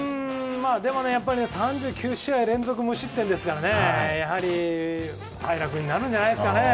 やっぱり３９試合連続無失点ですからやはり平良君になるんじゃないですかね。